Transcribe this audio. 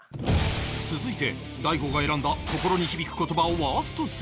続いて大悟が選んだ心に響く言葉ワースト３